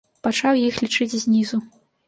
Пачаў іх лічыць знізу.